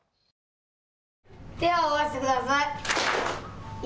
手を合わせてください。